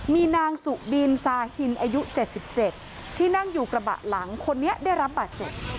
มีนางสุบินซาฮินอายุ๗๗ที่นั่งอยู่กระบะหลังคนนี้ได้รับบาดเจ็บ